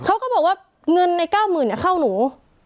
เขาก็บอกว่าเงินใน๙๐๐๐๐เนี่ยเข้าหนู